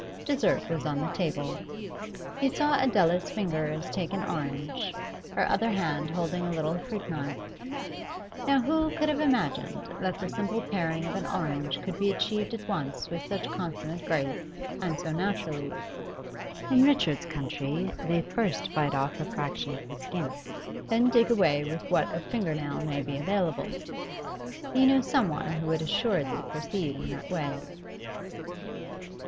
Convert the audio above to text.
Dessert was on the table. He saw Adela's fingers take an orange, her other hand holding a little fruit knife. Now, who could have imagined that the simple paring of an orange could be achieved at once with such consummate grace and so naturally? In Richard's country they first bite off a fraction of the skin, then dig away with what of finger nail may be available. He knew someone who would assuredly proceed in that way.